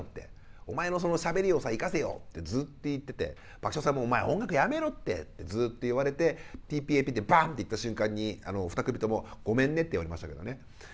「お前のそのしゃべりを生かせよ」ってずっと言ってて爆笑さんも「お前音楽やめろって」ってずっと言われて「ＰＰＡＰ」でバンっていった瞬間に２組とも「ごめんね」って言われましたけどね。